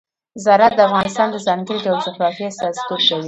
زراعت د افغانستان د ځانګړي ډول جغرافیه استازیتوب کوي.